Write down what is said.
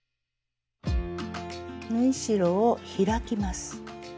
縫い代を開きます。